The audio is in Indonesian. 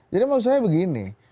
jadi maksud saya begini